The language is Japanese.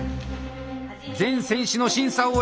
全選手の審査を終え